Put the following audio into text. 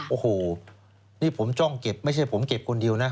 โอ้โหนี่ผมจ้องเก็บไม่ใช่ผมเก็บคนเดียวนะ